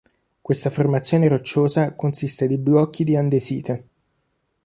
Questa formazione rocciosa consiste di blocchi di andesite.